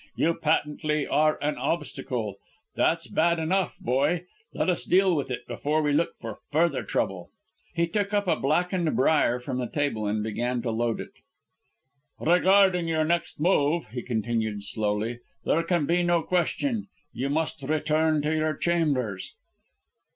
You, patently, are an obstacle! That's bad enough, boy; let us deal with it before we look for further trouble." "He took up a blackened briar from the table and began to load it. "Regarding your next move," he continued slowly, "there can be no question. You must return to your chambers!"